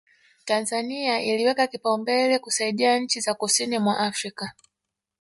Tanzania iliweka kipaumbele kusaidia nchi za kusini mwa Afrika